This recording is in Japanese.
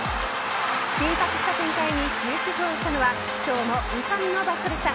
緊迫した展開に終止符を打ったのは今日も宇佐見のバットでした。